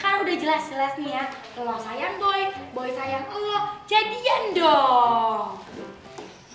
kan udah jelas jelas nih ya lo sayang boy boy sayang lo jadian dong